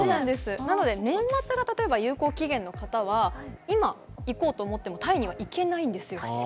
なので年末が有効期限の方は今タイに行こうと思っても行けないんですよ。